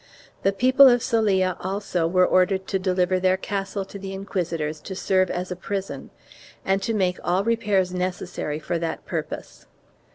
The people of Cella, also, were ordered to deliver their castle to the inquisitors to serve as a prison and to make all repairs necessary for that purpose.